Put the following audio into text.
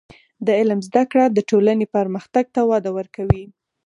د علم زده کړه د ټولنې پرمختګ ته وده ورکوي.